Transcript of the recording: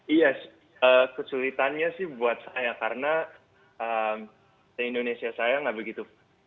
iya kesulitannya sih buat saya karena di indonesia saya gak begitu fasi